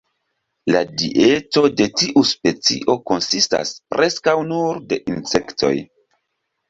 La dieto de tiu specio konsistas preskaŭ nur de insektoj.